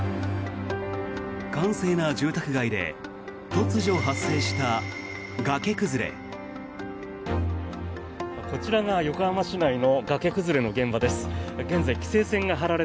閑静な住宅街で突如、発生した崖崩れ。